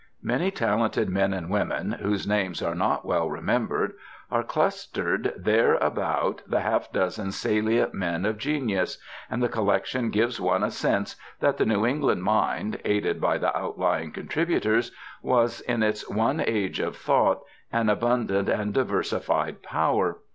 Many talented men and women, whose names are not well remembered, are clustered there about the half dozen salient men of genius; and the collection gives one a sense that the New England mind (aided by the outlying contributors) was, in its one Age of Thought, an abundant and diversified power.